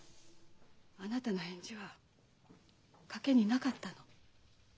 あなたの返事は賭けになかったの。